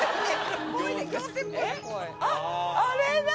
あっあれだ！